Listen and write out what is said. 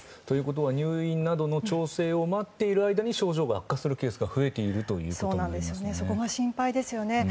ということは入院などの調整を待っている間に症状が悪化するケースが増えているということですね。